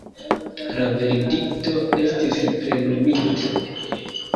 La verdikto estis plenumita.